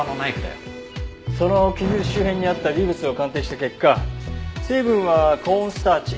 その傷口周辺にあった微物を鑑定した結果成分はコーンスターチ。